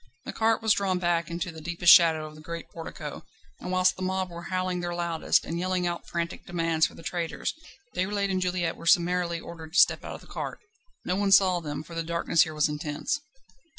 The cart was drawn back into the deepest shadow of the great portico, and whilst the mob were howling their loudest, and yelling out frantic demands for the traitors, Déroulède and Juliette were summarily ordered to step out of the cart. No one saw them, for the darkness here was intense.